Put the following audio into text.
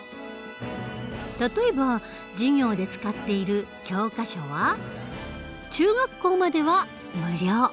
例えば授業で使っている教科書は中学校までは無料。